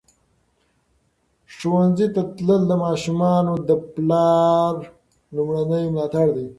ښوونځي ته تلل د ماشومانو د پلار لومړنی ملاتړ دی.